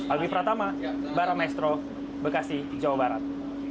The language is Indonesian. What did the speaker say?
alwi pratama barra maestro bekasi jawa barat